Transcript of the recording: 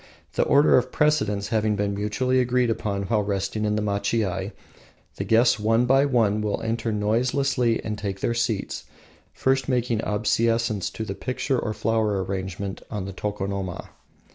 The order of precedence having been mutually agreed upon while resting in the machiai, the guests one by one will enter noiselessly and take their seats, first making obeisance to the picture or flower arrangement on the tokonoma.